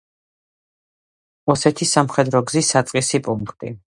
ოსეთის სამხედრო გზის საწყისი პუნქტი.